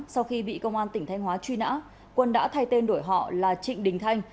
sau khi bị công an tỉnh thanh hóa truy nã quân đã thay tên đổi họ là trịnh đình thanh